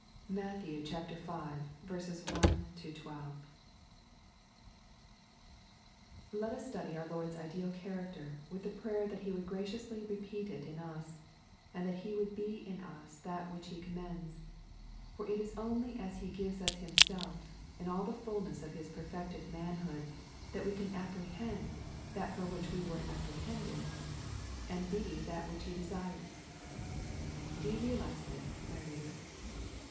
(Matt, y, 1 lZ) LET UB study our Lord's ideal of character with the prayer that He would graciously repeat it in us, and that He would be in us that which He com' mends ; for it is only as He gives us Himself, in all the ful ness of His perfected manhood, that we can apprehend that for which we were apprehended, and be that which He desires. Do you realize this, my reader